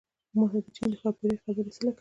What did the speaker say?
ما ته د چين د ښاپېرو خبرې څه له کوې